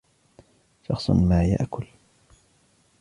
شخص ما يأكل.